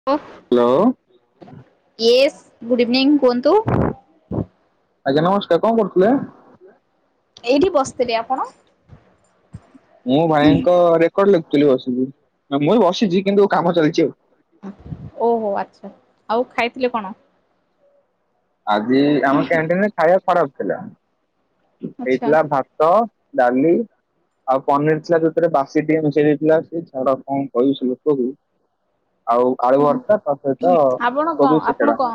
[inaudible] Hello. Yes good evening କୁହନ୍ତୁ। ଆଜ୍ଞା ନମସ୍କାର କଣ କରୁଥିଲେ? ଏଇଠି ବସିଥିଲି ଆପଣ। ମୁଁ ଭାଇଙ୍କ ରେକର୍ଡ ଲେଖୁଥିଲି ବସିକି, ମୁଁ ବି ବସିଚି, କିନ୍ତୁ କାମ ଚାଲିଚି ଆଉ। ଓହୋ ଆଛା, ଆଉ ଖାଇଥିଲେ କଣ? ଆଜି, ଆମ କ୍ୟାଣ୍ଟିନରେ ଖାଇବା ଖରାପ ଥିଲା। ଆଚ୍ଛା ହେଇଥିଲା ଭାତ, ଡାଲି ଆଉ ପନିର ଥିଲା, ଯୋଥିରେ ବାସି ଟିକେ ମିସେଇ ଦେଇଥିଲା, ସେ ଛାଡ, କଣ କହବି ସେ ଲୋକକୁ ଆଉ ଆଳୁ ଭର୍ତା, ତା ସହିତ ଆପଣ କଣ କୋବି ଆପଣ ଚେଚଡା। କଣ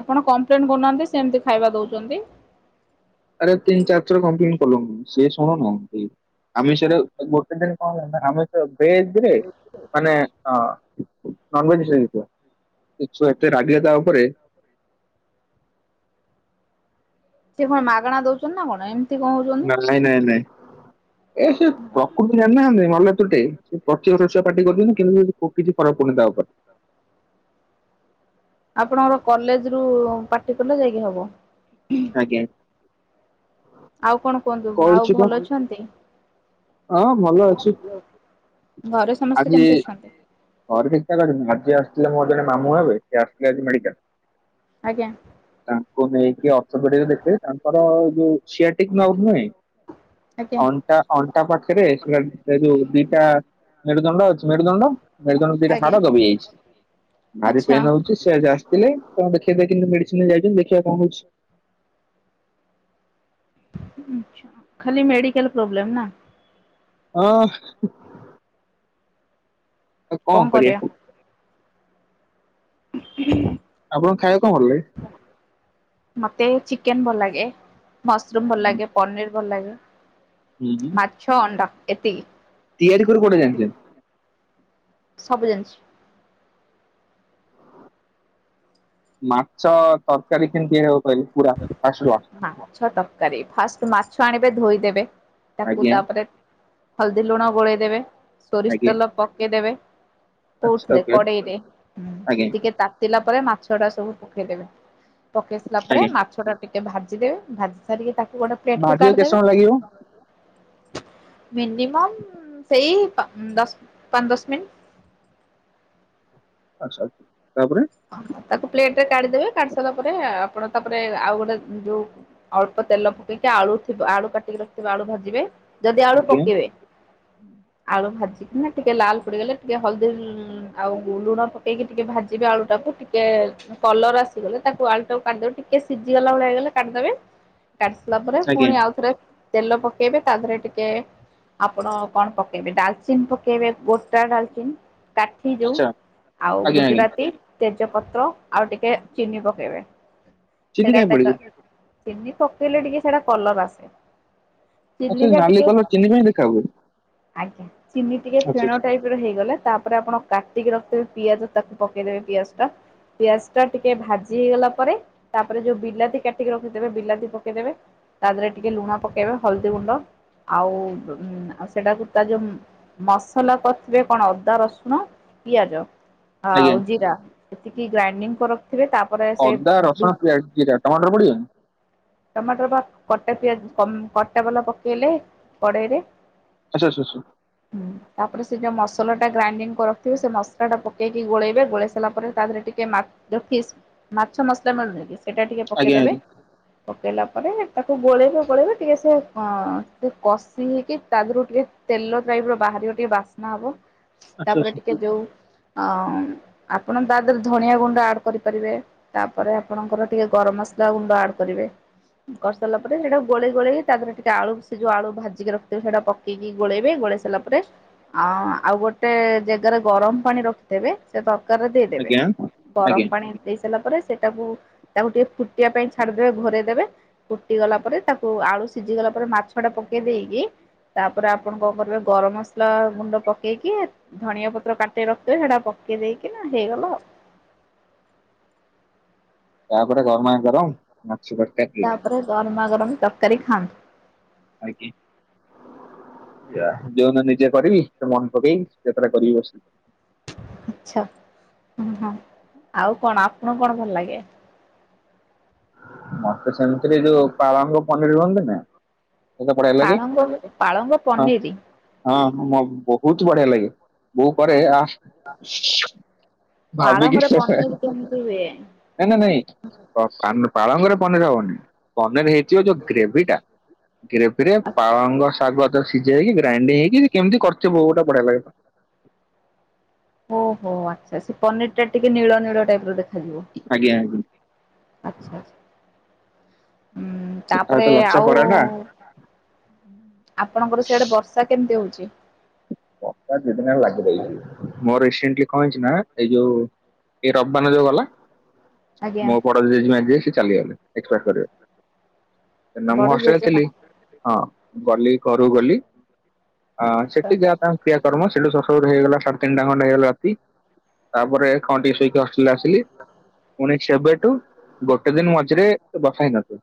ଆପଣ କମ୍ପ୍ଲେନ କରୁନାହାନ୍ତି, ସିଏ ଏମିତି ଖାଇବା ଦଉଚନ୍ତି। ଆରେ ତିନି ଚାରିଥର କମ୍ପ୍ଲେନ କଲୁନୁ, ସିଏ ଶୁଣୁନାହାନ୍ତି। ଆମିଷରେ, ଗୋଟେ ଦିନ କଣ ହୁଏ ନା, ଆମିଷ ଭେଜରେ ମାନେ ହଁ, ନନଭେଜ [unintelligible] ସେ ଛୁଆ ଏତେ ରାଗିଲେ ତା ଉପରେ ସିଏ କଣ ମାଗଣା ଦଉଚନ୍ତି ନା କଣ, ଏମତି ନାଇଁ ନାଇଁ, ନାଇଁ ନାଇଁ, ଏ ସେ ପ୍ରକୃତ ଜାଣିନାହାନ୍ତି ମଲେ ତୁଟେ, ସେ ପଚିଶ ଛୁଆ ପାଟି କରୁଛନ୍ତି, କିନ୍ତୁ କିଛି ଫରକ ପଡ଼ୁନି ତା ଉପରେ। ଆପଣଙ୍କର କଲେଜ ରୁ ପାଟି କଲେ, ଯାଇକି ହବ। ଆଜ୍ଞା। ଆଉ କଣ କୁହନ୍ତୁ? ଆଉ କହିଛି ତ ଭଲ ଅଛନ୍ତି? ହଁ ଭଲ ଅଛି ଘରେ ସମସ୍ତେ ଆଜି କେମିତି ଅଛନ୍ତି? ଘରେ ଠିକ ଠାକ ଅଛନ୍ତି, ଆଜି ଆସିଥିଲେ ମୋର ଜଣେ ମାମୁଁ ହେବେ, ସେ ଆସଥିଲେ ଆଜି ମେଡିକାଲ। ଆଜ୍ଞା। ତାଙ୍କୁ ନେଇକି ଅର୍ଥପେଡିକ ଦେଖେଇଲି, ତାଙ୍କର ଯୋଉ ସିଆଟିକନର୍ଭ ନୁହେଁ ଆଜ୍ଞା ଅଣ୍ଟା ଅ, ଣ୍ଟା ପାଖରେ, ସିଏ ଯୋଉ ଦିଟା ମେରୁଦଣ୍ଡ ଅଛି ମେରୁଦଣ୍ଡ, ମେରୁଦଣ୍ଡ ଦିଟା ଆଜ୍ଞା ହାଡ଼ ଦବି ଯାଇଛି, ଭାରି ଆଚ୍ଛା। ପେନ୍ ହଉଛି। ସେ ଆଜି ଆସିଥିଲେ, କଣ ଦେଖେଇକି କିନ୍ତୁ ମେଡିସିନ ନେଇଯାଇଛନ୍ତି, ଦେଖିବା କଣ ହଉଛି। ଆଛା, ଖାଲି ମେଡିକାଲ ପ୍ରୋବ୍ଲେମ୍ ନା? ହଁ ହଁ। ଆଉ କଣ କରିବା? [unintelligible] ଆପଣ ଖାଇବାକୁ କଣ ଭଲଲାଗେ? ମତେ ଚିକେନ ଭଲ ଲାଗେ, ମସରୁମ ଭଲ ଲାଗେ। ପନିର ଭଲ ଲାଗେ, ହୁଁ ହୁଁ। ମାଛ ଅଣ୍ଡା, ଏତିକି। ତିଆରି କରି କୋଉଟା ଜାଣଚନ୍ତି? ସବୁ ଜାଣିଚି। ମାଛ ତରକାରୀ କେମିତି ହଉ ମାଛ ତରକାରୀ, ଫାଷ୍ଟ ମାଛ ଆଣିବେ, ଧୋଇଦେବେ। ତାକୁ ଆଜ୍ଞା ତାପରେ, ହଳଦୀ ଲୁଣ ଗୋଳେଇ ଦେବେ, ସୋରିଷ ଆଜ୍ଞା। ତେଲ ପକେଇଦବେ ଆଚ୍ଛା କୋଉଥିରେ, ଓକେ କଡ଼େଇରେ, ଆଜ୍ଞା ଟିକେ ତା ପକେଇଲା ପରେ, ମାଛ ଟା ସବୁ ପକେଇଦେବେ, ପକେଇ ସାଇଲା ପରେ ଆଜ୍ଞା ମାଛ ମାଛଟା ଟିକେ ଭାଜିଦବେ, ଭାଜି ସାରିକି ତାକୁ ଗୋଟେ ପ୍ଲେଟ କୁ ଭାଜିବାକୁ କେତେ ସମୟ ଲାଗିବ? କାଢିଦେବେ। ମିନିମମ୍ ସେଇ ପା ଦଶ ପାଚ ଦଶ ମିନିଟି। ଆଛା, ଆଛା, ତାପରେ ତାକୁ ପ୍ଲେଟ ରେ କାଢି ଦେବେ, କାଢି ସାରିଲା ପରେ, ଆପଣ ତାପରେ ଆଉ ଗୋଟେ ଯୋଉ ଅଳ୍ପ ତେଲ ପକେଇକି ଆଳୁଥିବ, ଆଳୁ କାଟିକି ରଖିଥିବେ, ଆଳୁ ଭାଜିବେ, ଯଦି ଆଳୁ ଆଜ୍ଞା ପକେଇବେ ଆଳୁ ଭାଜିକିନା ଟିକେ ଲାଲ ପଡିଗଲେ, ଟିକେ ହଳଦୀ ଆଉ ଲୁଣ ପକେଇକି ଟିକେ ଭାଜିବେ ଆଳୁଟାକୁ, ଟିକେ କଲରା ଆସିଗଲେ, ତାକୁ ଆଳୁଟାକୁ କାଢ଼ି ଦେବେ, ଟିକେ ସିଝିଗଲା ଭଳିଆ ହେଇଗଲେ, କାଢ଼ିଦେବେ। କାଟି ସାରିଲା ପରେ ଆଜ୍ଞା ପୁଣି ଆଉ ଥରେ ତେଲ ପକେଇବେ, ତା ଧୀରେ ଟିକେ ଆପଣ କଣ ପକେଇବେ, ଡାଲଚିିନ ପକେଇବେ ଗୋଟା ଡାଲଚିନ। କାଠି ଯୋଉ ଆଚ୍ଛା ଆଉ ଆଜ୍ଞା ଆଜ୍ଞା ଗୁଜୁରାତି। ତେଜପତ୍ର ଆଉ ଟିକେ ଚିନି ପକେଇବେ, ଚିନି କାଇଁ ପଡିବ? ସେଇଟା ଚିନି ପକେଇଲେ ଟିକେ ସେଟା କଲର ଆସେ, ଆଚ୍ଛା ଚିନି ଟା ନାଲି ଟିକେ କଲର ଚିନି କାଇଁ ଦେଖା ହୁଏ? ଆଜ୍ଞା, ଚିନି ଟିକେ ଆଚ୍ଛା ଫେଣ ଆଚ୍ଛା ଟାଇପ ହେଇଗଲେ, ତାପରେ ଆପଣ କାଟିକି ରଖିଥିବେ ପିଆଜ ତାକୁ ପକେଇଦେବେ ପିଆଜ ଟା। ପିଆଜ ଟା ଟିକେ ଭାଜି ହେଇଗଲା ପରେ ତାପରେ ଯୋଉ ବିଲାତି କାଟିକି ରଖିଥିବେ ବିଲାତି ପକେଇଦେବେ। ତା ଦେହରେ ଟିକେ ଲୁଣ ପକେଇବେ, ହଳଦୀ ଗୁଣ୍ଡ ଆଉ ସେଟାକୁ ତା ଯୋଉ ମସଲା କରିଥିବେ କଣ ଅଦା ରସୁଣ ପିଆଜ ଆଜ୍ଞା ଆଉ ଜିରା। ଟିକେ ଗ୍ରାଇଣ୍ଡିଙ୍ଗ କରି ରଖିଥିବେ ତା ଅଦା ରସୁଣ ପିଆଜ ଜିରା ଟମାଟର ପଡିବନି? ଟମାଟର ବା କଟା ପିଆଜ କଟା ବାଲା ପକେଇଲେ କଡ଼େଇରେ। [unintelligible] ହୁଁ, ତାପରେ ସେ ଯଉ ମସଲା ଟା ଗ୍ରାଇଣ୍ଡିଙ୍ଗ କରି ରଖଥିବେ ସେ ମସଲା ଟା ପକେଇକି ଗୋଳେଇବେ ଗୋଳେଇ ଲା ପରେ ତା ଧେରେ ଟିକେ ମା ଫିସ ମାଛ ମସଲା ମିଳୁନି କି ସେଟା ଟିକେ ଆଜ୍ଞା ପକେଇଦେବେ। ଆଜ୍ଞା ପକେଇଲା ପରେ ତାକୁ ଗୋଳେଇବେ, ଗୋଳେଇବେ ଟିକେ ସେ କଷି ହେଇକି ତା ଦେହରୁ ଟିକେ ତେଲ ଟାଇପ ର ବାହାରିବ ଟିକେ ବାସ୍ନା ହବ ଆଚ୍ଛା ତାପରେ ଆଚ୍ଛା ଟିକେ ଯୋଉ ଅ ଆପଣ ତା ଦେହରେ ଧଣିଆ ଗୁଣ୍ଡ ଆଡ୍ କରିପାରିବେ। ତାପରେ ଆପଣଙ୍କର ଟିକେ ଗରମ ମସଲା ଗୁଣ୍ଡ ଆଡ୍ କରିବେ। କରିସାରଲା ପରେ ସେଟା ଗୋଳେଇ ଗୋଳେଇ ତା ଦେରେ ଟିକେ ଆଳୁ ସେ ଯଉ ଆଳୁ ଭାଜିି ରଖିଥିବେ ସେଟା ପ କେଇକି ଗୋଳେଇବେ, ଗୋଳେଇ ସାରିଲା ପରେ ଆ ଆଉ ଗୋଟେ ଯେଗାରେ ଗରମ ପାଣି ରଖିଥିବେ ସେ ତ କାରୀ ରେ ଦେଇଦେବେ, ଆଜ୍ଞା ଆଜ୍ଞା ଗରମ ପାଣି ଦେଇ ସାରିଲା ପରେ ସେଟାକୁ ତାକୁ ଟିକେ ଫୁଟିବା ପାଇଁ ଛାଡିଦେବେ ଘୋରେଇ ଦେବେ। ଫୁଟି ଗଲା ପରେ, ତାକୁ ଆଳୁ ସିଝି ଗଲା ପରେ ମାଛ ଟା ପକେଇ ଦେଇକି ତାପରେ ଆପଣ କଣ କରିବେ ଗରମ ମସ ଲା ଗୁଣ୍ଡ ପକେଇକି ଧଣୀଆ ପତ୍ର କାଟେ ରଖିଥିବେ ସେଟା ପକେଇ ଦେଇକି ନା ହେଇଗଲା ଆଉ। ତାପରେ ଗରମା ଗରମ ମାଛୁ ଗୋଟେ। ତାପରେ ଗରମା ଗରମ ତରକାରୀ ଖାଆନ୍ତୁ। ଆଗେ। ଯୋଉ ନିଜେ କରିବି ସେ ମନେ ପକେଇକି ସେତେଟା କରିବି ବସିକି। ଆଛା, ହଁ ହଁ ଆଉ କଣ ଆପଣ କଣ ଭଲ ଲାଗେ? ମତେ ସେମିତିରେ ଯୋଉ ପାଳଙ୍ଗ ପନିର ଅନ୍ତି ନି। ପାଳଙ୍ଗ ହଉଚି ପାଳଙ୍ଗ ପନୀରି। ହଁ ହଁ ମୋ ବହୁତ ବଢିଆ ଲାଗେ ବୋଉ କରେ ଆ। [unintelligible] ଭାବିକି ପାଳଙ୍ଗରେ ସେରା ପନିର କେମିତି ହୁଏ? ନା ନା ନାଇଁ। ପାନ ପାଳଙ୍ଗରେ ପନିର ହବନି, ପନିର ହେଇଥିବ ଯୋଉ ଗ୍ରେଭି ଟା ଗ୍ରେଭିରେ ପାଳଙ୍ଗ ଶାଗ ସିଝେଇକି ଗ୍ରାଇଣ୍ଡି ହେଇକି କେମିତି କରିଚି ବୋଉ ଗୋଟେ ବଢିଆ ଲାଗେ। ଓହୋ, ଆଚ୍ଛା ସେ ପନିର ଟା ଟିକେ ନୀଳ ନୀଳ ଟାଇପ ର ଦେଖାଯିବ। ଆଜ୍ଞା। ଆଚ୍ଛା ଆଛା, ଉଁ ତା ତାପରେ ସହିତ ଲଚ୍ଛା ଆଉ ପରଟା ଆପଣଙ୍କର ସେଆଡେ ବର୍ଷା କେମିତି ହଉଛି? ବର୍ଷା ଦି ଦିନ ହେଲା ଲାଗି ରହିଲାଣି, ମୋର ରେସେଣ୍ଟଲି କଣ ହେଇଛି ନା ଏଇ ଯୋଉ ଏଇ ରବିବାନ ଯୋଉ ଗଲା। ଆଜ୍ଞା ମୋ ବଡ ଜେଜେମା ଯିଏ ସେ ଚାଲିଗଲେ ଏକ୍ସପାୟଡ କରିଗଲେ ସେଦିନ ମୁଁ ବଡ ହଷ୍ଟେଲ ରେ ଜେଜେମା ଥିଲି। ହଁ ଗଲି ଘର କୁ ଗଲି ଆ ସେ ଆଚ୍ଛା ତାଙ୍କ କ୍ରିୟାକର୍ମ ସେଇଠୁ ସରୁ ସରୁ ହେଇଗଲା ସାଢେ ତିନିଟା ଖଣ୍ଡେ ହେଇଗଲା ରାତି ତାପରେ କ ଟିକେ ସୋଇକି ହଷ୍ଟେଲ ଆସିଲି ପୁଣି ସେବେଠୁ ଗୋଟେ ଦିନ ମଝିରେ ବର୍ଷା ହେଇନଥିବ।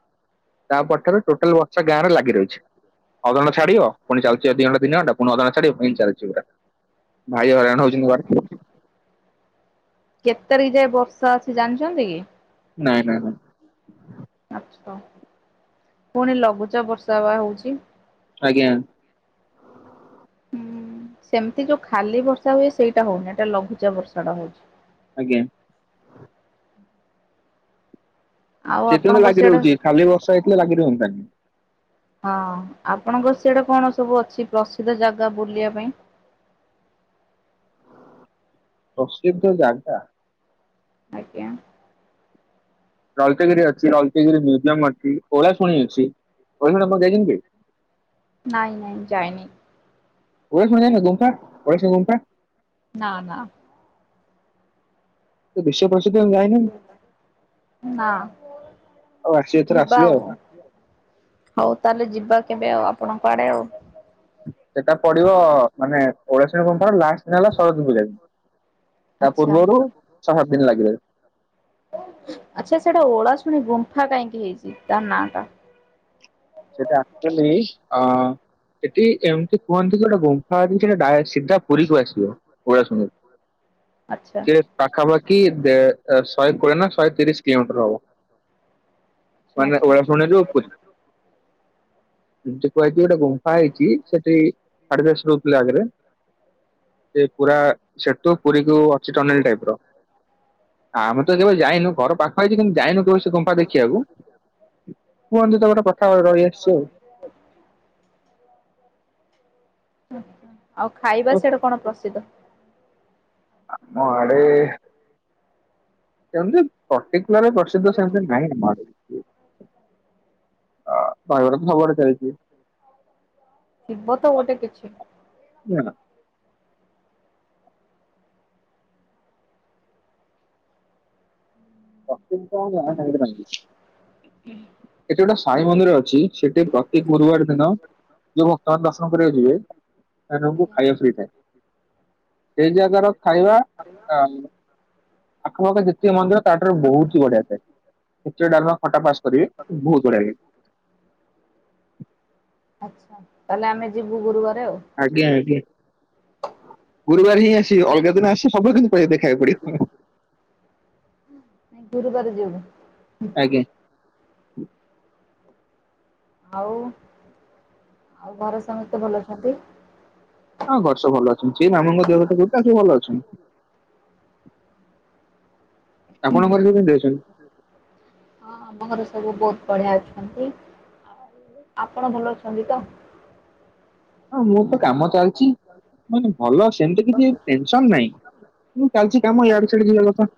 ତା ପରଠାରୁ ଟୋଟାଲ୍ ବର୍ଷା ଗାଁ ରେ ଲାଗି ରହିଛି। ଅଧଘଣ୍ଟା ଛାଡିବ ପୁଣି ଯାଉଚି ଦି ଘଣ୍ଟା ତିନି ଘଣ୍ଟା ପୁଣି ଅଧା ଘଣ୍ଟା ଛାଡିବ ଏଇତି ଚାଲିଛି ପୁରା ଭାରି ହଇରାଣ ଆଚ୍ଛା। ହଉଛି। ମୁଁ ବା କେତେ ତାରିଖ ଯାଏ ବର୍ଷା ଅଛି ଜାଣିଚନ୍ତି କି? ନାଇଁ ନାଇଁ ନାଇଁ। ଆଛା। ପୁଣି ଲଘୁଚାପ ବର୍ଷା ବା ହଉଚି। ଆଜ୍ଞା। ହୁଁ ସେମିତି ଯୋଉ ଖାଲି ବର୍ଷା ହୁଏ ସେଇଟା ହଉନି, ଏଟା ଲଘୁଚାପ ବର୍ଷା ଟା ହଉଚି। ଆଜ୍ଞା। ଆଉ ସେଥିପାଇଁ ତ ଆପଣଙ୍କର ଲାଗି ରହୁଚି ସିଆଡେ ଖାଲିବର୍ଷା ହେଇଥିଲେ ଲାଗି ରୁହନ୍ତାନି। ହଁ, ଆପଣଙ୍କ ସିଆଡେ କଣ ସବୁ ଅଛି ପ୍ରସିଦ୍ଧ ଜାଗା ବୁଲିଆ ପାଇଁ? ପ୍ରସିଦ୍ଧ ଜାଗା? ଆଜ୍ଞା। ଲଳିତଗିରି ଅଛି, ଲଳିତଗିରି ମ୍ୟୁଜିୟମ ଅଛି ଓଳା ଶୁଣି ଅଛି। ଓଳାଶୁଣି ଆପଣ ଯାଇଛନ୍ତି? ନାଇଁ ନାଇଁ ଯାଇନି। ଓଳାଶୁଣି ଯାଇନ, ଗୁମ୍ଫା ଓଳାଶୁଣି ଗୁମ୍ଫା। ନା, ନା। ସେ ବିଶ୍ୱ ପ୍ରସିଦ୍ଧ, ଯାଇନ। ନା। ଆଉ ଆସିବେ ଏଥର ଆସିବେ ଆଉ। ହଉ ତାହେଲେ ଯିବା କେବେ ଆଉ ଆପଣଙ୍କ ଆଡେ ଆଉ? ସେଟା ପଡିବ ମାନେ ଓଳାଶୁଣି ଗୁମ୍ଫା ଲାଷ୍ଟ୍ ଦିନ ହେଲା ସରସ୍ଵତୀ ପୂଜା। ତା ଆଚ୍ଛା ପୂର୍ବରୁ ଛଅ ସାତ ଦିନ ଲାଗିରହେ। ଆଛା ସେଟା ଓଳାଶୁଣି ଗୁମ୍ଫା କାହିଁକି ହେଇଚି ତା ନା ଟା? ସେଟା ଆକଚୁଆଲି ଅଁ- ସେଠି ଏମିତି କୁହନ୍ତି କି ଗୋଟେ ଗୁମ୍ଫା ଅଛି ଡାରେଟ୍ ସିଧା ପୁରୀକୁ ଆସିବ, ପଳାଶୁଣିରୁ। ଆଚ୍ଛା ସେଟ ପାଖାପାଖି ଦେ ଶହେ କୋଡ଼ିଏ ନା ଶହେ ତିରିଶ କିଲୋମିଟର ହବ। ଆଚ୍ଛା ମାନେ ଆଚ୍ଛା। ଓଳାଶୁଣି ରୁ ପୁରୀ। କୁହାହେଇଚି ଗୋଟେ ଗୁମ୍ଫା ହେଇଚି, ସେଠି ସାଢେ ଦଶରୁ ଗଲେ ଆଗେରେ, ସେ ପୁରା ସେଠୁ ପୁରୀ କୁ ଅଛି ଟନେଲ ଟାଇପ୍ ର। ଆମ କେବେ ଯାଇନ ଘର ପାଖ ହେଇଚି କିନ୍ତୁ ଯାଇନୁ କେବେ ସେ ଗୁମ୍ଫା ଦେଖିଆକୁ କୁହନ୍ତୁ ତ ଗୋଟେ କ୍ କଥା ରହି ଆସିଚି ଆଉ। ଆଚ୍ଛା [unintelligible] ଆଉ ଖାଇବା ସିଆଡେ କଣ ପ୍ରସିଦ୍ଧ? ଆମ ଆଡେ। ସେମିତି ପର୍ଟିକୁଲାର ପ୍ରସିଦ୍ଧ ସେମିତି ନାହିଁ, ଆମ ଆଡେ। ଅ ବାହାଘର ତ ସବୁଆଡେ ଚାଲିଚି। ଥିବତ ଗୋଟେ କିଛି। ନିଆଲ। ଅଚିନ୍ତା ଆଜ୍ଞା ମହାଟାଉଏଲେ୍ ଭାଙ୍ଗିଛି। ଏଠି ଗୋଟେ ସାଇ ମନ୍ଦିର ଅଛି, ସେଠି ପ୍ରତି ଗୁରୁବାର ଦିନ ଯୋଉ ଭକ୍ତମାନେ ଦର୍ଶନ କରିବାକୁ ଯିବେ, ସେଦିନଠୁ ଖାଇବାକୁ ସବୁ ହେଇଥାଏ। ସେଇ ଜାଗାର ଖାଇବା ଆ ଆଖପାଖ ଯେତିକ ମନ୍ଦିର ତା ଠାରୁ ବହୁତ୍ ବଢିଆ ଥାଏ, ଖେଚୁଡି ଡାଲମା ଖଟା ପାସ୍ କରିବେ ବହୁତ୍ ବଢିଆ ଲାଗେ। ଆଚ୍ଛା। ତାହେଲେ ଆମେ ଯିବୁ ଗୁରୁବାରେ ଆଉ। ଆଜ୍ଞା ଆଜ୍ଞା। ଗୁରୁବାର ହିଁ ଆସିବେ ଅଲଗା ଦିନ ଆସି ସବୁବେଳେ ପଇସାଦେଇ ଖାଇବାକୁ ପଡିବ। ଗୁରୁବାରେ ଯିବୁ। ଆଜ୍ଞା। ଆଉ ଆଉ ଘରେ ସମସ୍ତେ ଭଲ ଅଛନ୍ତି? ହଁ ଘରେ ସବୁ ଭଲ ଅଛନ୍ତି ମାମୁଁ ଙ୍କ ଦେହ କଥା ଗୋଟ ଆଉ ସଵୁ ଭଲ ଅଛନ୍ତି। ଆପଣ ଘରେ ସବୁ କେମତି ଦେହ ସବୁ? ହଁ ଆମ ଘରେ ସବୁ ବହୁତ ବଢିଆ ଅଛନ୍ତି। ଆପଣ ଭଲ ଅଛନ୍ତି ତ? ହଁ ମୁଁ ତ କାମ ଚାଲିଚି। ମାନେ ଭଲ ସେମତି କିଛି ଟେନ୍ ସନ୍ ନାହିଁ। ମୁଁ ଚାଲିଛି କାମ ଇଆଡେ ସିଆଡେ ଯିବା କଥା।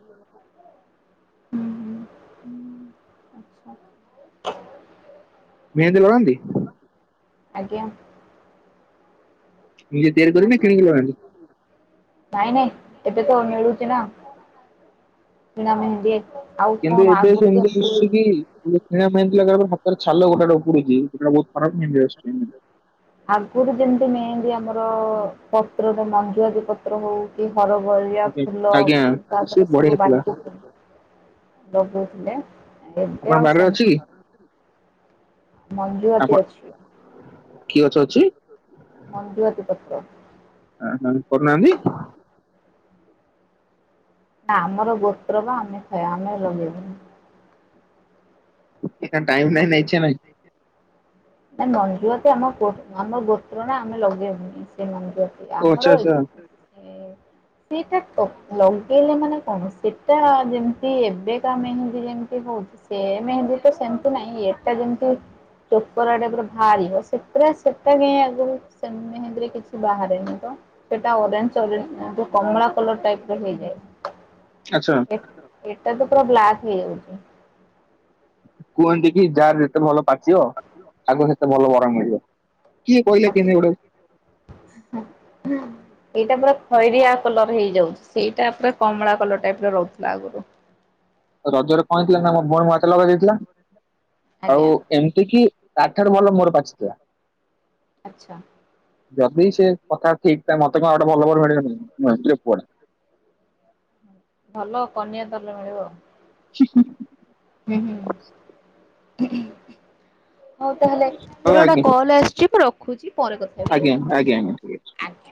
ହୁଁ ହୁଁ ହୁଁ ମେହେନ୍ଦୀ ଲଗାନ୍ତି ଆଚ୍ଛା। ଆଜ୍ଞା। ଧିରେ ଧିରେ [inaudible] ନାଇଁ ନାଇଁ ଏବେ ତ ମିଳୁଛି ନା, ନାନ ଦୀପ୍ କେନ୍ତୁ ଏବେ ସେମିତି ଶି ସି ପି କି? ଯିଏ କିଣା ମେହେନ୍ଦି ଲଗେଇଲା ହାତରେ ଛାଲ ଗୋଟେ ଗୋଟେ ଉପୁଡୁଚି ସେଟା ବହୁତ୍ ଖରାପ ମେହେନ୍ଦି ଆସୁଛି। ଆଗରୁ ଯେମିତି ମେହେନ୍ଦି ଆମର ପତ୍ରରେ ମଞ୍ଜୁ ଆତି ପତ୍ର ପତ୍ର ହଉ କି ହରବରିଆ ଫୁଲ ଆଜ୍ଞା ତା ସେ ପରେ ବଢିଆ ସବୁ ଥିଲା। ବଟି କି ଲଗଉଥିଲେ ଏବେ ଆପଣ ଆଉ ବାରିରେ ଅଛି ସେମେ୍ କି? ମଞ୍ଜୁଆତି ଆପଣ ଅଛି। କି ଗଛ ଅଛି? ମଞ୍ଜୁଆତି ପତ୍ର। ହଁ ହଁ କରୁନାହାନ୍ତି। ଆମର ଗୋତ୍ର ପା ଆମେ ସେଇୟା ଆମେ ଲଗେଇମୁ। ଟାଇମ ନାହଁ ନା ଇଛା ନାହିଁ? ମଞ୍ଜୁଆତି ଆମ ଆମ ଗୋତ୍ରର ଆମେ ଲଗେଇବୁନି ସେ ମଞ୍ଜୁଆତି। ଓ ଆଚ୍ଛା ଆମର ଆଚ୍ଛା ଏଇଠୁ। ସେଇଟା ଲଗେଇଲେ ମାନେ କଣ ସେଟା ଯେମିତି ଏବେ କା ମେହେନ୍ଦି ଯେମତି ହଉ ସେ ମେହେନ୍ଦୀ ତ ସେମିତି ନାଇଁ ଏଟା ଯେମତି ଉପର ଆଡ଼େ ପୁରା ବାହାରିବ ସେତିରେ ସେଟା କାହିଁ ଆଗକୁ ସେ ମେହେନ୍ଦି ରେ କିଛି ବାହାରେନେହିଁ ତ। ସେଟା ଅରେଞ୍ଜେ ଅରେଞ୍ଜେ କମଳା କଲର ଟାଇପ୍ ର ହୋଇଯାଏ। ଆଚ୍ଛା ହେ ଏଟା ତ ପୁରା ବ୍ଲାକ୍ ହେଇଯାଉଚ। କୁହନ୍ତି କି ଯାହା ଯେତେ ଭଲ ପାଚିବ ତାକୁ ସେତେ ଭଲ ବର ମିଳିବ। କିଏ କହିଲା କେନେ ଗୋଡଉ? [inaudible] ଏଇଟା ପୁରା ଖଇରିଆ କଲର ହେଇଯାଉଛି। ସେଇଟା ପୁରା କମଳା କଲର ଟାଇପରେ ରହୁଥିଲା ଆଗରୁ। ରଜରେ କଣହେଇଥିଲା ନା ମୋ ଭଉଣୀ ମୁଁ ହାତରେ ଲଗେଇ ଦେଇାଇଥିଲା, ଆଜ୍ଞା ଆଉ ଏମିତି କିି ତାଠାରୁ ଭଲ ମୋର ପାଚିଥିଲା। ଆଚ୍ଛା। ଯଦି ସେ କଥା ଠିକ ଠାକ୍ ମତେ କଣ ଗୋଟେ ଭଲ ବର ମିଳିବନି? [unintelligible] ପୁଅଟା। ଭଲ କନିଆ ତାହେଲେ ମିଳିବ ଆଉ। [unintelligible] ହୁଁ ହୁଁ ହଉ ତା ହେଲେ ହଉ ମୋର ଗୋଟେ କଲ୍ ଆସିଛି ମୁଁ ରଖୁଛି ପରେ କଥା ହେବି ଆଜ୍ଞ ଆଜ୍ଞ ଆଜ୍ଞା ଠିକ ଅଛି। ଆଜ୍ଞା।